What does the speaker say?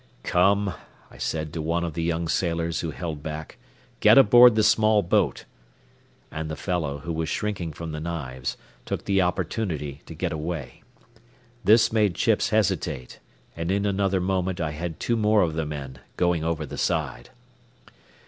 "Come," I said to one of the young sailors who held back, "get aboard the small boat," and the fellow, who was shrinking from the knives, took the opportunity to get away. This made Chips hesitate, and in another moment I had two more of the men going over the side.